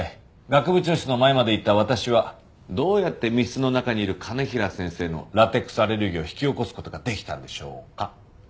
学部長室の前まで行った私はどうやって密室の中にいる兼平先生のラテックスアレルギーを引き起こす事ができたんでしょうか？